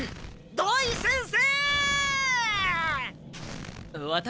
土井先生！